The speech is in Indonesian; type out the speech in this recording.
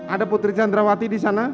ada putri chandrawati disana